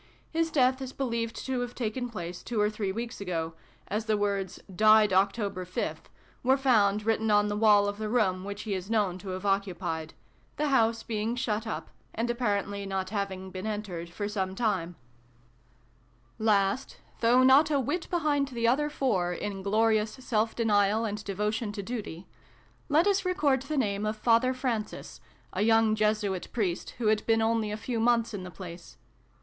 His death is believed to have taken place two or three weeks ago, as the words ' Died October 5 ' were found written on the wall of the room which he is known to have occupied the house being shut up, and appar ently not having been entered for some time. 286 SYLVIE AND BRUNO CONCLUDED. Last though not a whit behind the other four in glorious self denial and devotion to duty let us record the name of Father Francis, a young fe suit Priest who had been only a few months in the place.